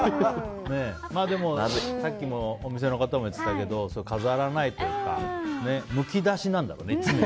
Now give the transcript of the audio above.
でも、さっきもお店の方が言っていたけど飾らないとかむき出しなんだろうね、いつも。